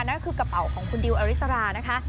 นั่นคือกระเป๋าของคุณดิวอริสรานะคะ